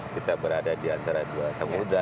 kita berada di antara dua samudera